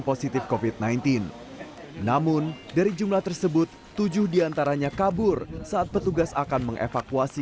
positif kofit sembilan belas namun dari jumlah tersebut tujuh diantaranya kabur saat petugas akan mengevakuasi